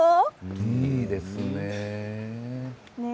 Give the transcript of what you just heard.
いいですね。